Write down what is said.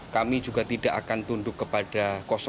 kami juga tidak akan tunduk kepada